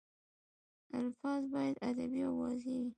الفاظ باید ادبي او واضح وي.